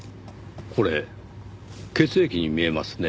これ血液に見えますね。